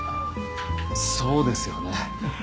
そうですよね。